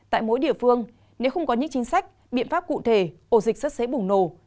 tại mỗi địa phương nếu không có những chính sách biện pháp cụ thể ổ dịch rất dễ bùng nổ